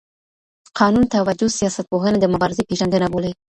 قانون توجه سياستپوهنه د مبارزې پېژندنه بولي.